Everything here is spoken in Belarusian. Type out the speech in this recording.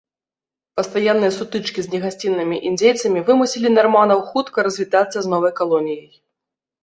Пастаянныя сутычкі з негасціннымі індзейцамі вымусілі нарманаў хутка развітацца з новай калоніяй.